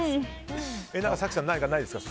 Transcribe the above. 早紀さん、何かないですか？